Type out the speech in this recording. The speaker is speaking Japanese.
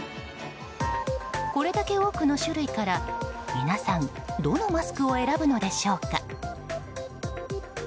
これだけ多くの種類から皆さんどのマスクを選ぶのでしょうか。